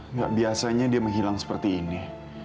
enggak biasanya dia menghilang seperti ini